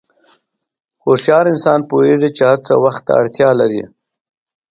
هوښیار انسان پوهېږي چې هر څه وخت ته اړتیا لري.